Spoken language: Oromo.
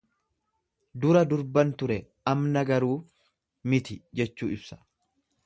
Dura durban ture amna garuu miti jechuu ibsa.